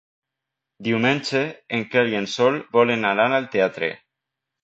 Diumenge en Quel i en Sol volen anar al teatre.